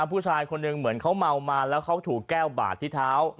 ผู้ชายคนหนึ่งเหมือนเขาเมามาแล้วเขาถูกแก้วบาดที่เท้า